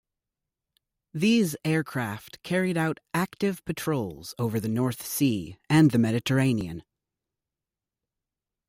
These aircraft carried out active patrols over the North Sea and the Mediterranean.